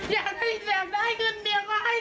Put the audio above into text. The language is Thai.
อยากได้เงินเมียก็ให้สามสิบล้านแล้วทำไมไม่อยู่ใช้เงิน